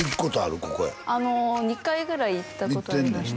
ここへ２回ぐらい行ったことありました